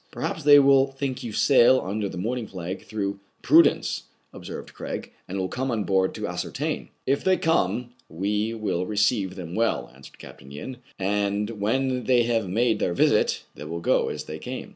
"Perhaps they will think you sail under the mourning flag through prudence," observed Craig, "and will come on board to ascertain." " If they come, we will receive them well," answered Capt. Yin ;" and, when they have made their visit, they will go as they came."